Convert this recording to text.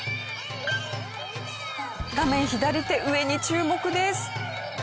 画面左手上に注目です。